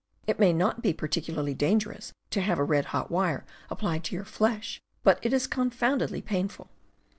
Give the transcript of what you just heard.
It may not be particularly dangerous to have a red hot wire applied to your flesh, but it is confoundedly painful.